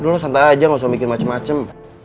lo santai aja gak usah mikir macem macem